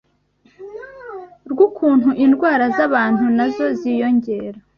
rw’ukuntu indwara z’abantu na zo ziyongera